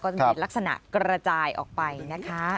จะมีลักษณะกระจายออกไปนะคะ